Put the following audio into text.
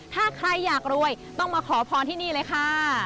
ถ้าใครอยากรวยต้องมาขอพรที่นี่เลยค่ะ